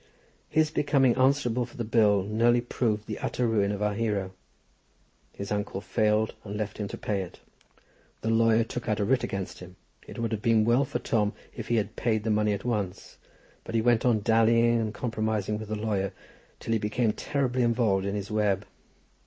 His becoming answerable for the bill nearly proved the utter ruin of our hero. His uncle failed, and left him to pay it. The lawyer took out a writ against him. It would have been well for Tom if he had paid the money at once, but he went on dallying and compromising with the lawyer, till he became terribly involved in his web.